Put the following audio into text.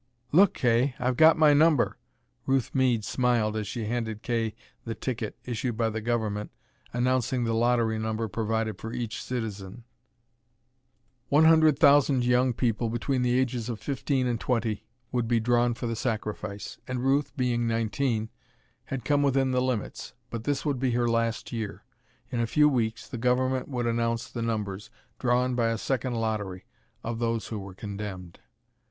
"Look, Kay, I've got my number!" Ruth Meade smiled as she handed Kay the ticket issued by the Government announcing the lottery number provided for each citizen. One hundred thousand young people between the ages of fifteen and twenty would be drawn for the sacrifice, and Ruth, being nineteen, had come within the limits, but this would be her last year. In a few weeks the Government would announce the numbers drawn by a second lottery of those who were condemned.